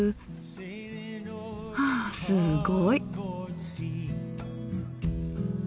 あすごい。